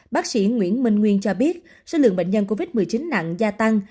bác sĩ nguyễn minh nguyên cho biết số lượng bệnh nhân covid một mươi chín nặng gia tăng